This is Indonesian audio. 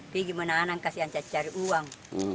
bagaimana anaknya kasian cari uang